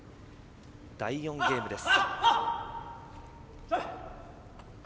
第４ゲームです。